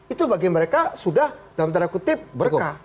itu bagi mereka sudah dalam tanda kutip berkah